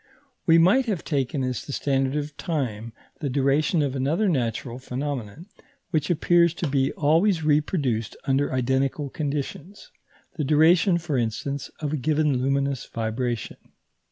We might have taken as the standard of time the duration of another natural phenomenon, which appears to be always reproduced under identical conditions; the duration, for instance, of a given luminous vibration.